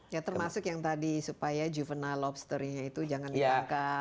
ya termasuk yang tadi supaya juvenile lobsternya itu jangan dilangkap